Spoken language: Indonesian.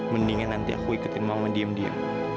mendingan nanti aku ikutin mama diem diam